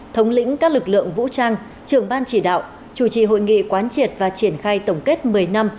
thống lĩnh các lực lượng vũ trang trưởng ban chỉ đạo chủ trì hội nghị quán triệt và triển khai tổng kết một mươi năm